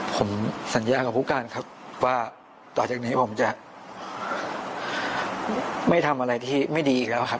ผมสัญญากับผู้การครับว่าต่อจากนี้ผมจะไม่ทำอะไรที่ไม่ดีอีกแล้วครับ